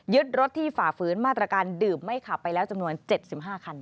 รถที่ฝ่าฝืนมาตรการดื่มไม่ขับไปแล้วจำนวน๗๕คัน